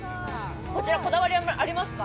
こちらこだわりはありますか？